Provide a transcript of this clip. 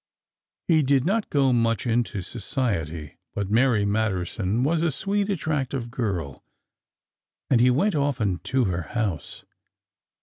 He did not go much into society, but Mary Matterson was a sweet, attractive girl, and he went often to her house.